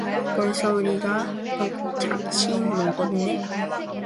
벌써 우리가 넉 잔씩 먹었네